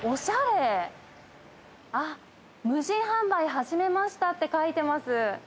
あっ無人販売始めましたって書いてます。